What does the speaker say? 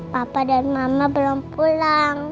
papa dan mama belum pulang